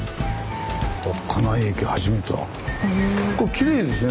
きれいですね